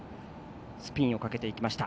スピンをかけていきました。